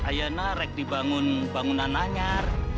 ayah narek di bangunan nanyar